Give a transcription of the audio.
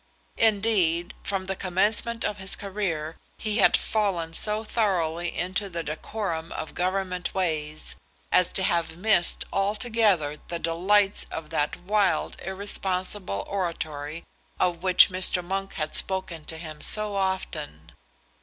Indeed, from the commencement of his career, he had fallen so thoroughly into the decorum of Government ways, as to have missed altogether the delights of that wild irresponsible oratory of which Mr. Monk had spoken to him so often.